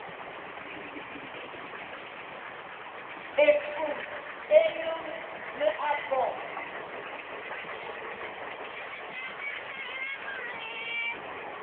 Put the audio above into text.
Ekum e lum me abo ;